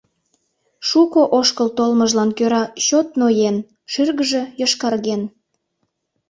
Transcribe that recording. Шуко ошкыл толмыжлан кӧра чот ноен, шӱргыжӧ йошкарген.